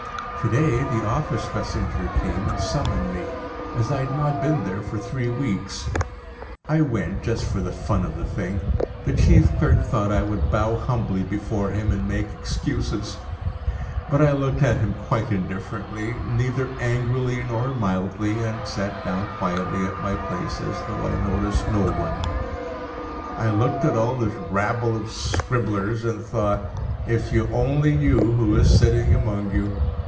_ To day the office messenger came and summoned me, as I had not been there for three weeks. I went just for the fun of the thing. The chief clerk thought I would bow humbly before him, and make excuses; but I looked at him quite indifferently, neither angrily nor mildly, and sat down quietly at my place as though I noticed no one. I looked at all this rabble of scribblers, and thought, "If you only knew who is sitting among you!